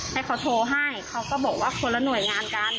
ให้เขาโทรให้เขาก็บอกว่าคนละหน่วยงานกัน